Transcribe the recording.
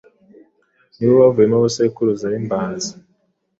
nibo bavuyemo Abasekuruza b’Imbanza